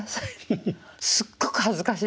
すっごく恥ずかしいんですよ。